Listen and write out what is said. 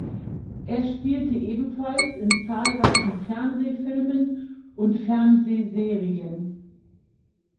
Er spielte ebenfalls in zahlreichen Fernsehfilmen und Fernsehserien.